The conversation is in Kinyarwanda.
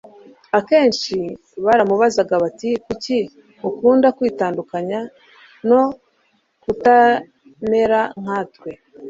Akenshi baramubazaga bati, Kuki ukunda kwitandukanya, no kutamera nkatwe